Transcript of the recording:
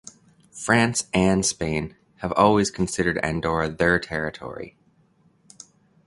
France and Spain have always considered Andorra their territory.